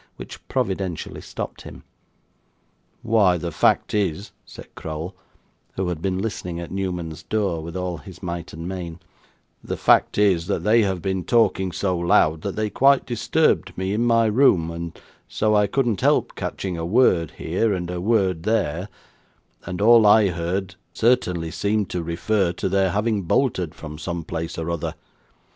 which providentially stopped him. 'Why the fact is,' said Crowl, who had been listening at Newman's door with all his might and main; 'the fact is, that they have been talking so loud, that they quite disturbed me in my room, and so I couldn't help catching a word here, and a word there; and all I heard, certainly seemed to refer to their having bolted from some place or other.